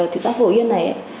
thị xã phổ yên